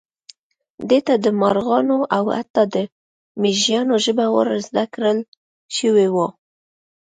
ده ته د مارغانو او حتی د مېږیانو ژبه ور زده کړل شوې وه.